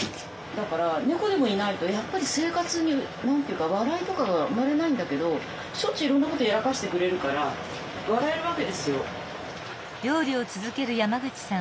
だから猫でもいないとやっぱり生活に何て言うか笑いとかが生まれないんだけどしょっちゅういろんなことやらかしてくれるから笑えるわけですよ。